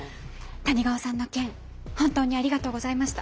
谷川さんの件本当にありがとうございました。